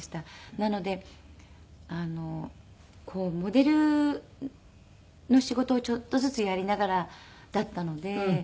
なのでモデルの仕事をちょっとずつやりながらだったので。